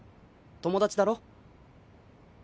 友達だろ？